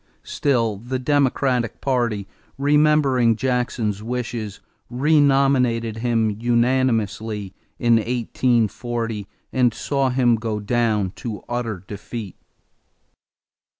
Still the Democratic party, remembering Jackson's wishes, renominated him unanimously in 1840 and saw him go down to utter defeat.